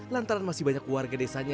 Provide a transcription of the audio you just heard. lantaran masih banyak warga desanya